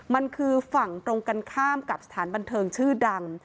มันคือฝั่งตรงกันข้ามกับสถานบันเทิงชื่อดัง